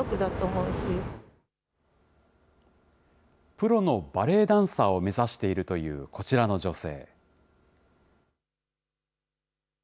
プロのバレエダンサーを目指しているというこちらの女性。